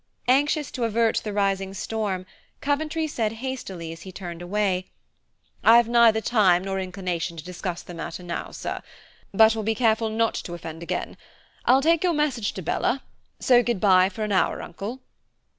Anxious to avert the rising storm, Coventry said hastily as he turned away, "I've neither time nor inclination to discuss the matter now, sir, but will be careful not to offend again. I'll take your message to Bella, so good bye for an hour, Uncle."